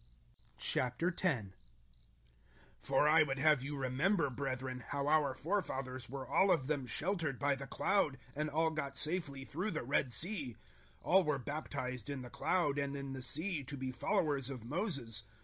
010:001 For I would have you remember, brethren, how our forefathers were all of them sheltered by the cloud, and all got safely through the Red Sea. 010:002 All were baptized in the cloud and in the sea to be followers of Moses.